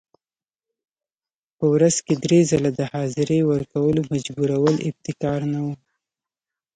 په ورځ کې درې ځله د حاضرۍ ورکولو مجبورول ابتکار نه و.